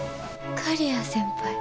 刈谷先輩？